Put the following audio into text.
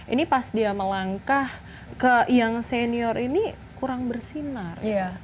ini pas dia melangkah ke yang senior ini kurang bersinar